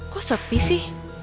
kok sepi sih